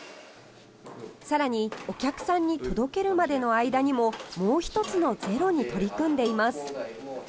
更にお客さんに届けるまでの間にももう１つのゼロに取り組んでいます。